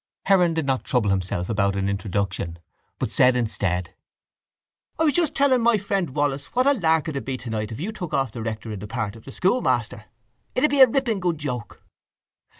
Heron did not trouble himself about an introduction but said instead: —I was just telling my friend Wallis what a lark it would be tonight if you took off the rector in the part of the schoolmaster. It would be a ripping good joke.